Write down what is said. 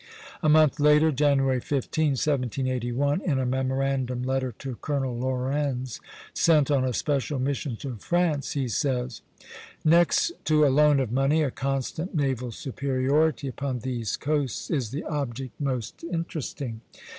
A month later, January 15, 1781, in a memorandum letter to Colonel Laurens, sent on a special mission to France, he says: "Next to a loan of money, a constant naval superiority upon these coasts is the object most interesting.